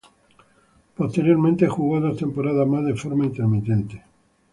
Posteriormente jugó dos temporadas más de forma intermitente.